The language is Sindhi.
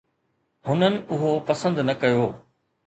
هنن اهو پسند نه ڪيو.